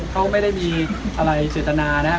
เขาไม่ได้มีอะไรเจตนานะครับ